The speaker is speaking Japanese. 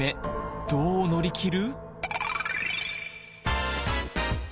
どう乗り切る？